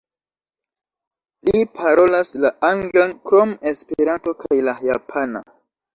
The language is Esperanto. Li parolas la anglan krom esperanto kaj la japana.